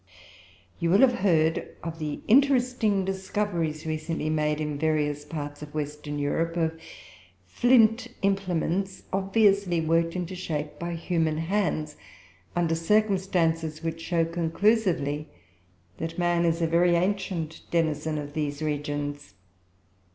You will have heard of the interesting discoveries recently made, in various parts of Western Europe, of flint implements, obviously worked into shape by human hands, under circumstances which show conclusively that man is a very ancient denizen of these regions.